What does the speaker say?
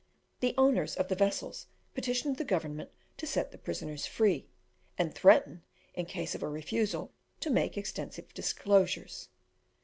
The owners of the vessels petitioned the government to set the prisoners free, and threatened, in case of a refusal, to make extensive disclosures.